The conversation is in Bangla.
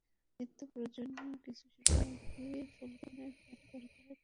নিত্যপ্রয়োজনীয় কিছু সেবা একটি ফোনকলেই যেন দোরগোড়ায় পৌঁছে যায়, এটাই আমাদের লক্ষ্য।